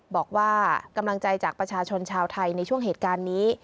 บอกว่ากำลังใจจากประชาชนชาวไทยในช่วงเหตุการณ์นี้